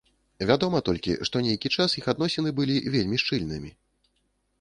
Вядома толькі, што нейкі час іх адносіны былі вельмі шчыльнымі.